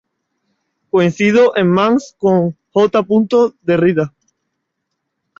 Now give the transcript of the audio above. Coincidió en Mans con J. Derrida.